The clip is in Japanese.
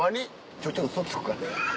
ちょいちょいウソつくから。